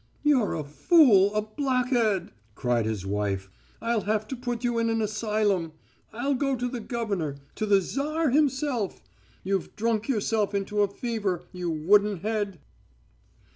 "You're a fool, a blockhead," cried his wife. "I'll have to put you in an asylum. I'll go to the governor to the Tsar himself. You've drunk yourself into a fever, you wooden head!"